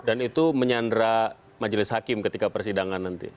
dan itu menyandara majelis hakim ketika persidangan nanti